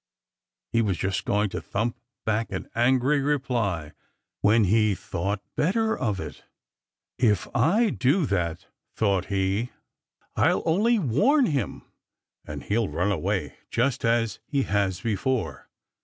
He was just going to thump back an angry reply, when he thought better of it. "If do that," thought he, "I'll only warn him, and he'll run away, just as he has before."